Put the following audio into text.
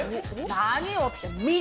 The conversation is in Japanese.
何をって、水！